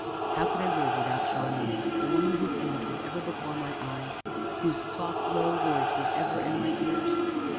How should I live without Charmian, the woman whose image was ever before my eyes, whose soft, low voice was ever in my ears?